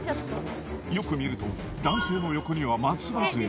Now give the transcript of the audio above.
よく見ると男性の横には松葉杖。